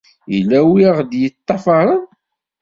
Yella wi ɣ-d-yeṭṭafaren?